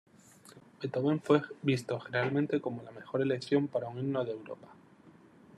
Beethoven fue visto generalmente como la mejor elección para un himno de Europa.